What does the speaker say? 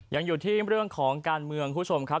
ยังอยู่ที่เรื่องของการเมืองคุณผู้ชมครับ